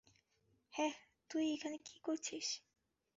হেই, তুই এখানে কী করছিস?